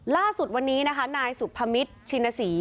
ล่าสุดวันนี้นะคะนายสุพมิตรชินศรี